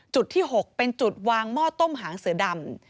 จุดที่๖เป็นจุดวางหม้อต้มหางเสือดำ